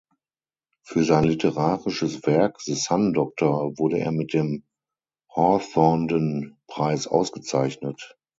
Für sein literarisches Werk "The Sun Doctor" wurde er mit dem Hawthornden-Preis ausgezeichnet.